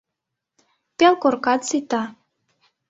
— Пел коркат сита.